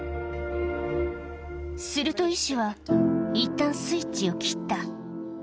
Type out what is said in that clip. すると医師は、いったんスイッチを切った。